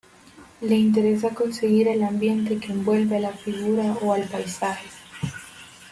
Le interesa conseguir el ambiente que envuelve a la figura o al paisaje.